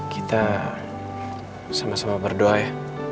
kita sama sama berdoa ya